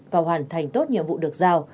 và hoàn thành tốt nhiệm vụ được giao